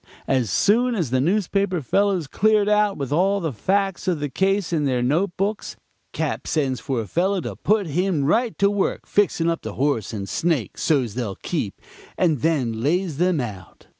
As soon as the newspaper fellows cleared out with all the facts of the case in their note books, Cap. sends for a fellow and puts him right to work fixing up the horse and snake so's they'll keep, and then lays them out.